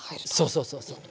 そうそうそうそう。